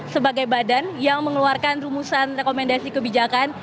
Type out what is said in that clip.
sebagai badan yang mengeluarkan rumusan rekomendasi kebijakan